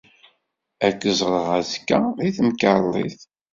Ad k-ẓreɣ azekka, deg temkarḍit!